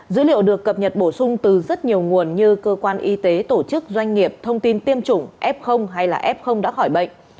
dữ liệu được cập nhật bổ sung từ rất nhiều nguồn như cơ quan y tế tổ chức doanh nghiệp thông tin tiêm chủng f hay là f đã khỏi bệnh